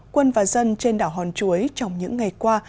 quân và dân trên đảo hòn chuối trong những ngày qua